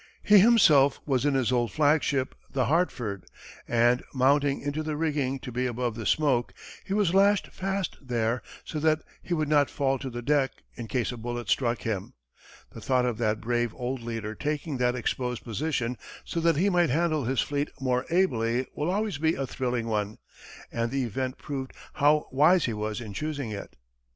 He himself was in his old flagship, the Hartford, and mounting into the rigging to be above the smoke, he was lashed fast there, so that he would not fall to the deck, in case a bullet struck him. The thought of that brave old leader taking that exposed position so that he might handle his fleet more ably will always be a thrilling one and the event proved how wise he was in choosing it.